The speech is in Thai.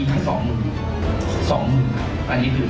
เจ้าไงมันมี๒มืด